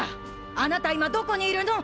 あなた今どこにいるの？